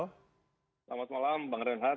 selamat malam bang renhat